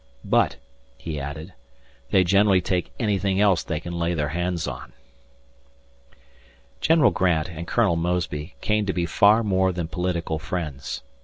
"But," he added, "they generally take anything else they can lay their hands on." General Grant and Colonel Mosby came to be far more than political friends.